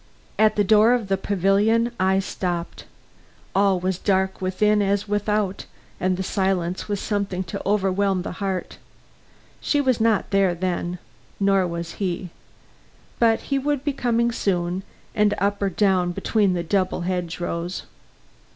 At the door of the pavilion I stopped. All was dark within as without, and the silence was something to overwhelm the heart. She was not there then, nor was he. But he would be coming soon, and up or down between the double hedge rows.